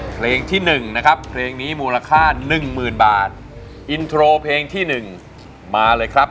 เพลงที่๑นะครับเพลงนี้มูลค่าหนึ่งหมื่นบาทอินโทรเพลงที่๑มาเลยครับ